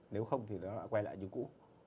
nếu không thì nó lại quay lại như cũ